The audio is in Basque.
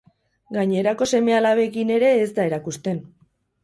Gainerakoen seme-alabekin ere ez da erakusten.